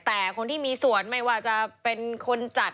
แต่คนที่มีส่วนไม่ว่าจะเป็นคนจัด